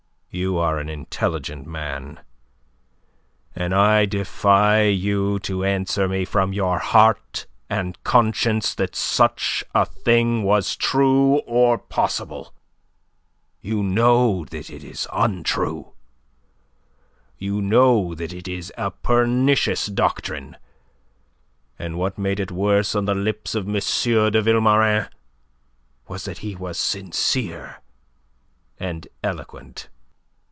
You are an intelligent man, and I defy you to answer me from your heart and conscience that such a thing was true or possible. You know that it is untrue; you know that it is a pernicious doctrine; and what made it worse on the lips of M. de Vilmorin was that he was sincere and eloquent.